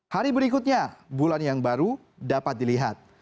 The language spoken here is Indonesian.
hari berikutnya bulan yang baru dapat dilihat